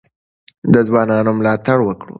د ځوانانو ملاتړ وکړو.